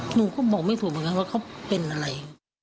หนูก็บอกไม่ถูกเหมือนกันว่าเขาเป็นอะไร